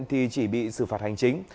thì chỉ bị xử phạt hành chính